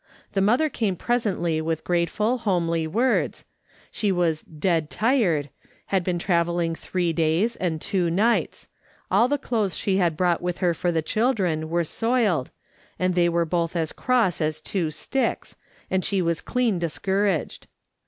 The mother came presently with grateful, homely words ; she was " dead tired," had been travelling three days and two nights: all the "SOME THINGS IS QUEER." 53 clothes she had brouglit with her for the children were soiled, and they were both as cross as two sticks, and she was clean discouraged.